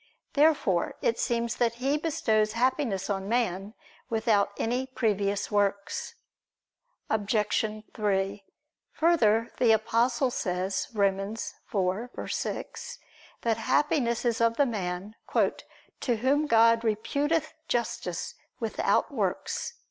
Therefore it seems that He bestows Happiness on man without any previous works. Obj. 3: Further, the Apostle says (Rom. 4:6) that Happiness is of the man "to whom God reputeth justice without works."